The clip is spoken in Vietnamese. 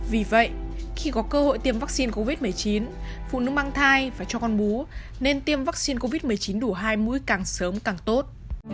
vì vậy khi có cơ hội tiêm vaccine covid một mươi chín phụ nữ mang thai và cho con bú nên tiêm vaccine covid một mươi chín đủ hai mũi càng sớm càng tốt